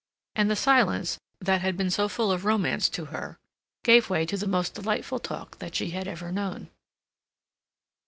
—and the silence, that had been so full of romance to her, gave way to the most delightful talk that she had ever known.